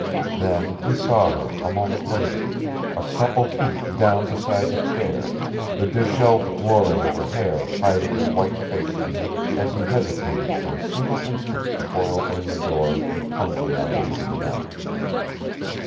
Then he saw her a moment later a crumpled heap down beside the chair, the disheveled glory of her hair hiding her white face from him as he hesitated for a single instant before opening the door and plunging out into the night.